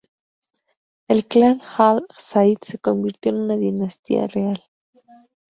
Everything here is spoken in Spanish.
El clan Al Said se convirtió en una dinastía real.